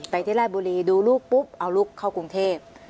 ที่ราชบุรีดูลูกปุ๊บเอาลูกเข้ากรุงเทพ